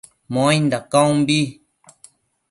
Muainda caumbi